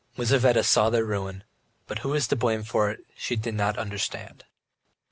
Lizaveta saw their ruin, but who was to blame for it she did not understand.